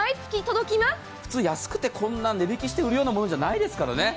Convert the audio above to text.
普通、安くてこんなん値引きして売るようなものじゃないですから。